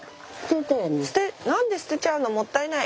何で捨てちゃうのもったいない！